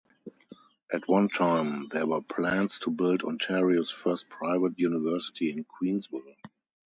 At one time, there were plans to build Ontario's first private university in Queensville.